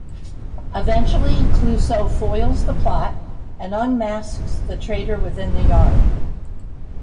Eventually, Clouseau foils the plot and unmasks the traitor within the Yard.